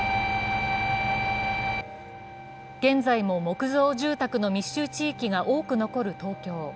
現在も木造住宅の密集地域が多く残る東京。